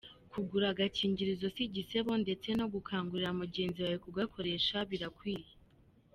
Kugura agakingirizo si igisebo ndetse no gukangurira mu genzi wawe kugakoresha birakwiye.